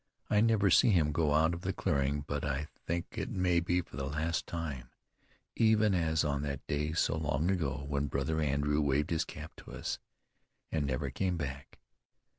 I never see him go out of the clearing but I think it may be for the last time, even as on that day so long ago when brother Andrew waved his cap to us, and never came back.